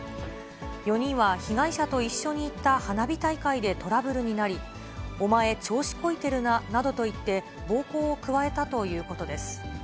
４人は被害者と一緒に行った花火大会でトラブルになり、お前調子こいてるななどと言って、暴行を加えたということです。